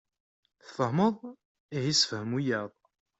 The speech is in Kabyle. Tfehmeḍ! Ihi ssefhem wiyaḍ.